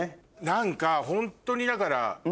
何かホントにだから。